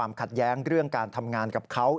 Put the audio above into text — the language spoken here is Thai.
ระหว่างเดี๋ยวนี้เราครัว